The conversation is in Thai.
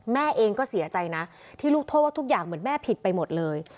แม่เองก็เสียใจนะที่ลูกโทษว่าทุกอย่างเหมือนแม่ผิดไปหมดเลย